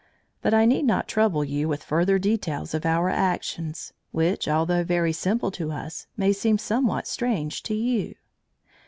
But I need not trouble you with further details of our actions, which, although very simple to us, may seem somewhat strange to you.